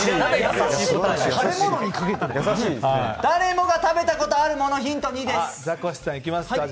誰もが食べたことあるものです！